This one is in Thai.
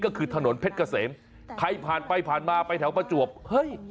ก็คือถนนเพชรเกษมใครผ่านไปผ่านมาไปแถวประจวบเฮ้ย